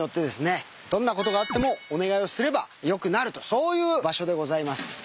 どんなことがあってもお願いをすれば良くなるとそういう場所でございます。